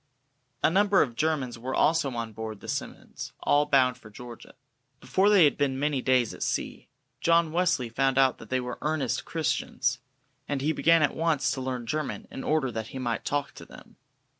A number of Germans were also on board the "Simmonds," all bound for Georgia. Before they had been many days at sea, John Wesley found out that they were earnest Christians, and he began at once to learn German in order that he might talk to them.